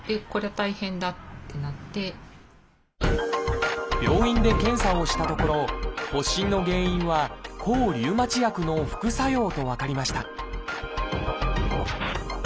そしたら何か病院で検査をしたところ発疹の原因は抗リウマチ薬の副作用と分かりました